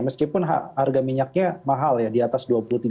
meskipun harga minyaknya mahal ya di atas